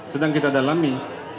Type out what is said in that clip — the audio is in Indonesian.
sedang kita dalami